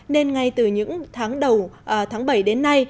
nên ngay từ những tháng đầu tháng bảy đến nay